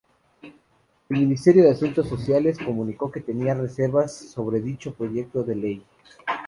El Ministerio de Asuntos Sociales comunicó que tenía reservas sobre dicho proyecto de ley.